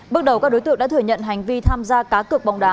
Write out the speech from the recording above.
bước đầu các đối tượng đã thừa nhận hành vi tham gia cá cược bóng đá